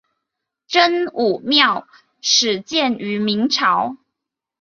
真武庙始建于明朝。